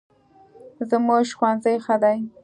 زموږ ښوونځی ښه دی